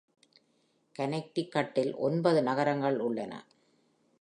கனெக்டிகட்டில் ஒன்பது நகரங்கள் உள்ளன.